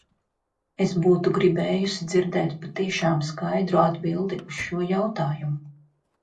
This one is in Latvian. Es būtu gribējusi dzirdēt patiešām skaidru atbildi uz šo jautājumu.